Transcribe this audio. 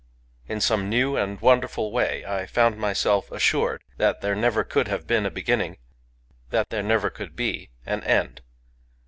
In some new and wonderful way I found myself assured that there never could have been a beginning, — that there never could be an end.